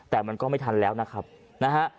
แต่มันก็ไม่ทันแล้วนะครับนะฮะ